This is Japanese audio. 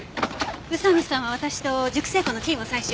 宇佐見さんは私と熟成庫の菌を採取。